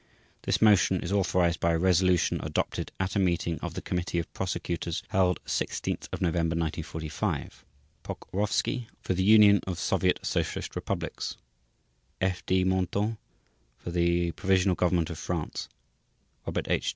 This motion is authorized by a resolution adopted at a meeting of the Committee of Prosecutors held 16 November 1945. /s/ POKROVSKY For the Union of Soviet Socialist Republics /s/ F. DE MENTHON For the Provisional Government of France /s/ ROBERT H.